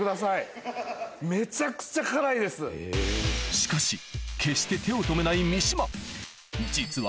しかし決して手を止めない三島実は